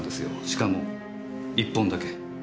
しかも１本だけ。